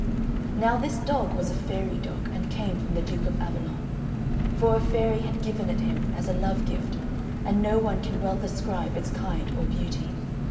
Now this dog was a fairy dog, and came from the Duke of Avalon; for a fairy had given it him as a love gift, and no one can well describe its kind or beauty.